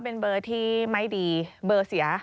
เป็นเบอร์ที่ไม่ดีเบอร์เสีย